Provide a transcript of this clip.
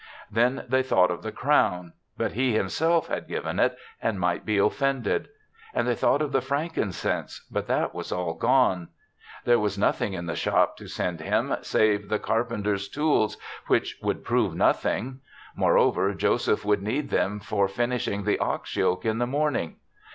'* Then they thought of the crown; but he himself had given it and might be offended. And they thought of the frankincense; but that was all gone. There was nothing in the shop to send him save the carpenter's ^•r«.^.: THE SEVENTH CHRISTMAS 57 tools, which would prove nothing; moreover, Joseph would need them for finishing the ox yoke in the morning.